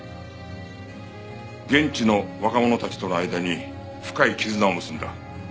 現地の若者たちとの間に深い絆を結んだ。